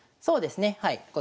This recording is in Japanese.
そうですねはい。